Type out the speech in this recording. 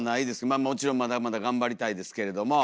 まあもちろんまだまだ頑張りたいですけれども。